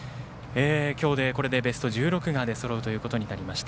今日でこれでベスト１６が出そろうということになりました。